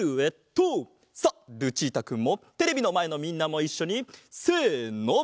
さあルチータくんもテレビのまえのみんなもいっしょにせの！